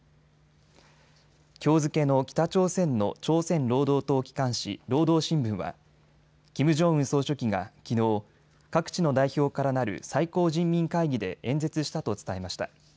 きょう付けの北朝鮮の朝鮮労働党機関紙、労働新聞はキム・ジョンウン総書記がきのう、各地の代表からなる最高人民会議で演説したと伝えました。